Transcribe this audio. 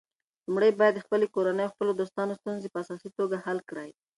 لومړی باید د خپلې کورنۍ او خپلو دوستانو ستونزې په اساسي توګه حل کړې.